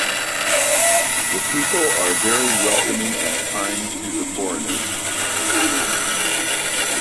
The people are very welcoming and kind to the foreigners.